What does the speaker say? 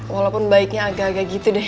walaupun baiknya agak agak gitu deh